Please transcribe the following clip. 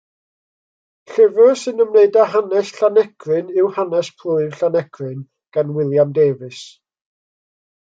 Llyfr syn ymwneud â hanes Llanegryn yw Hanes Plwyf Llanegryn gan William Davies.